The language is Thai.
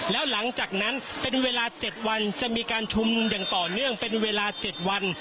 แล้วหลังจากนั้นเป็นเวลา๗วันจะมีการชุมนุมอย่างต่อเนื่องเป็นเวลา๗วัน